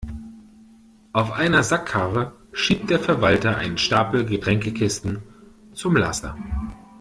Auf einer Sackkarre schiebt der Verwalter einen Stapel Getränkekisten zum Laster.